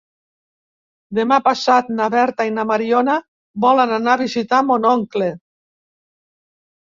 Demà passat na Berta i na Mariona volen anar a visitar mon oncle.